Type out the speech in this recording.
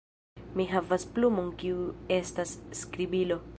Mi havas plumon kiu estas skribilo